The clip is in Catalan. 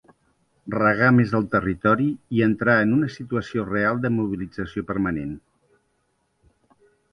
Regar més el territori i entrar en una situació real de mobilització permanent.